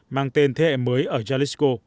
mang tên thế hệ mới ở jalisco